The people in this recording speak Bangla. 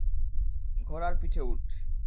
ঘোড়ার পিঠে উঠ!